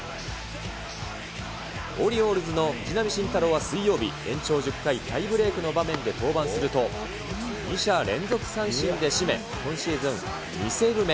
オリオールズの藤浪晋太郎は水曜日、延長１０回タイブレークの場面で登板すると、２者連続三振で締め、今シーズン、２セーブ目。